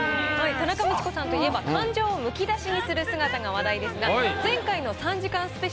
田中道子さんといえば感情をむき出しにする姿が話題ですが。